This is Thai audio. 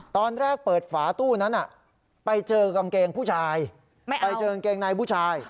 ตอนแรกเปิดฝาตู้นั้นไปเจอกางเกงผู้ชายไปเจอกางเกงในผู้ชาย